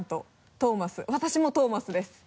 トーマス私もトーマスです。